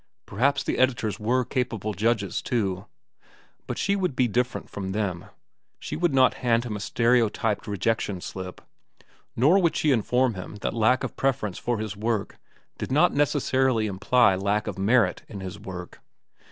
Perhaps the editors were capable judges, too. But she would be different from them. She would not hand him a stereotyped rejection slip, nor would she inform him that lack of preference for his work did not necessarily imply lack of merit in his work.